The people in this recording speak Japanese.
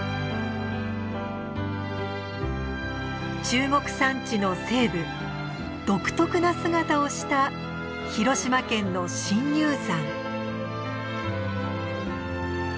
中国山地の西部独特な姿をした広島県の深入山。